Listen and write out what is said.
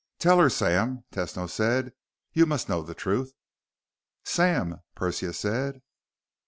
"Tell her, Sam," Tesno said. "You must know the truth." "Sam...." Persia said.